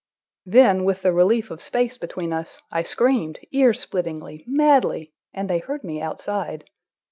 Then, with the relief of space between us, I screamed, ear splittingly, madly, and they heard me outside.